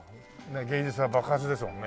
「芸術は爆発」ですもんね。